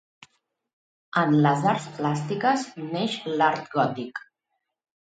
En les arts plàstiques, neix l'art gòtic.